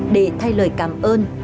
để thay lời cảm ơn